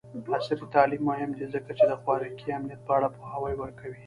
عصري تعلیم مهم دی ځکه چې د خوراکي امنیت په اړه پوهاوی ورکوي.